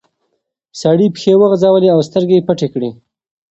سړي پښې وغځولې او سترګې پټې کړې.